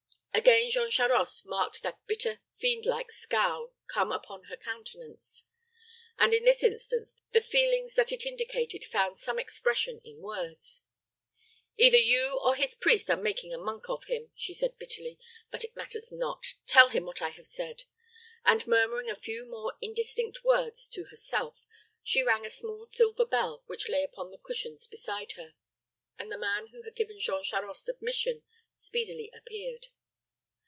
Again Jean Charost marked that bitter, fiend like scowl come upon her countenance, and, in this instance, the feelings that it indicated found some expression in words. "Either you or his priest are making a monk of him," she said, bitterly; "but it matters not. Tell him what I have said." And murmuring a few more indistinct words to herself, she rang a small silver bell which lay upon the cushions beside her, and the man who had given Jean Charost admission speedily appeared.